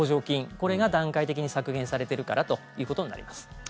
これが段階的に削減されているからということになります。